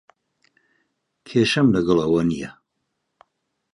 کێشەم لەگەڵ ئەوە نییە.